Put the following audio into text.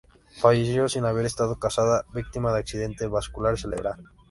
Falleció, sin haber estado casada, víctima de accidente vascular cerebral